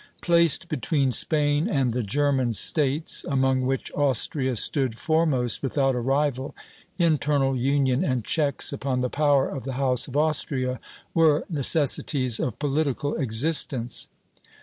Placed between Spain and the German States, among which Austria stood foremost without a rival, internal union and checks upon the power of the House of Austria were necessities of political existence.